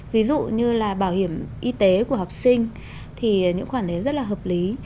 ví dụ như là bảo hiểm y tế của học sinh thì những khoản đấy rất là hợp lý